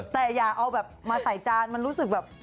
แต่อย่าเอาแบบมาใส่จานมันรู้สึกแบบ